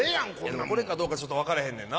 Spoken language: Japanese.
でもこれかどうかちょっと分かれへんねんな。